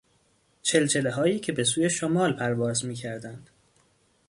چلچلههایی که به سوی شمال پرواز میکردند